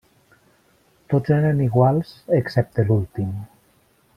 Tots eren iguals excepte l'últim.